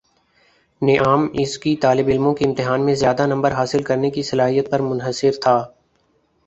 نعام اس کی طالبعلموں کی امتحان میں زیادہ نمبر حاصل کرنے کی صلاحیت پر منحصر تھا